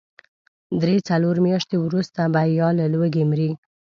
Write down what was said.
درې، څلور مياشتې وروسته به يا له لوږې مري.